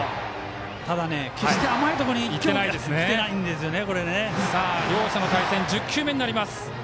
ただ、決して甘いところにきてないんですよね。